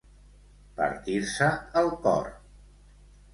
Partir-se el cor.